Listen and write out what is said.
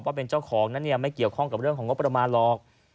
ว่าเป็นเจ้าของนั้นเนี่ยไม่เกี่ยวข้องกับเรื่องของงบประมาณหรอก